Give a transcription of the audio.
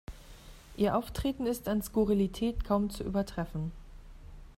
Ihr Auftreten ist an Skurrilität kaum zu übertreffen.